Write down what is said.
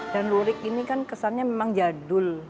dan lurik ini kan kesannya memang jadul